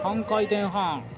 ３回転半。